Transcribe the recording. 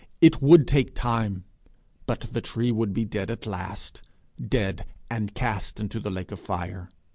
It would take time; but the tree would be dead at last dead, and cast into the lake of fire.